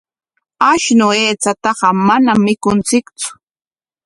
Ashnu aychataqa manam mikunchiktsu.